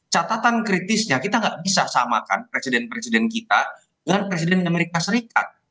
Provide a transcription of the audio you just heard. catatan kritisnya kita nggak bisa samakan presiden presiden kita dengan presiden amerika serikat